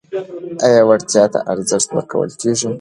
آیا وړتیا ته ارزښت ورکول کیږي؟